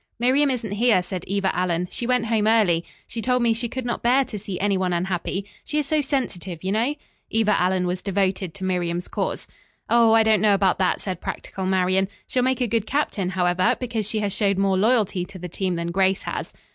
"Miriam isn't here," said Eva Allen, "she went home early. She told me she could not bear to see anyone unhappy. She is so sensitive you know?" Eva Allen was devoted to Miriam's cause. "Oh, I don't know about that," said practical Marian. "She'll make a good captain, however, because she has showed more loyalty to the team than Grace has."